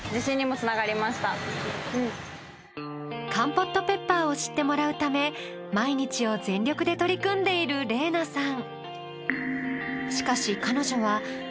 カンポットペッパーを知ってもらうため毎日を全力で取り組んでいる澪那さん。